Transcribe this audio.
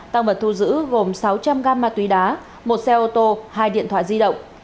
tăng vật thu giữ gồm sáu trăm linh gam ma túy đá một xe ô tô hai điện thoại di động